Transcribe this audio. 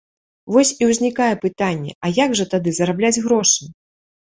Вось і ўзнікае пытанне, а як жа тады зарабляць грошы?